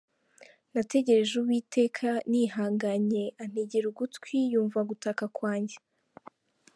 Nategereje Uwiteka nihanganye, Antegera ugutwi yumva gutaka kwanjye.